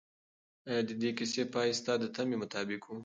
آیا د دې کیسې پای ستا د تمې مطابق و؟